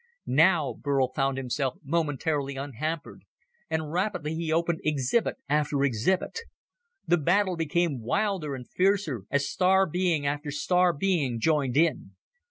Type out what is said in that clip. Now Burl found himself momentarily unhampered, and rapidly he opened exhibit after exhibit. The battle became wilder and fiercer, as star being after star being joined in.